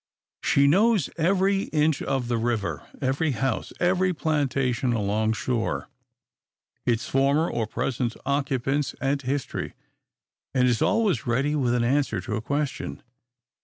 She knows every inch of the river, every house, every plantation along shore, its former or present occupants and history; and is always ready with an answer to a question.